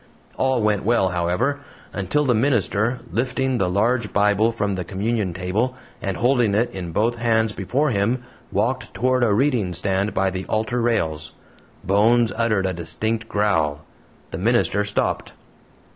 All went well, however, until the minister, lifting the large Bible from the communion table and holding it in both hands before him, walked toward a reading stand by the altar rails. Bones uttered a distinct growl. The minister stopped.